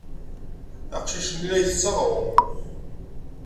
Aqcic-nni la ittett aɣrum.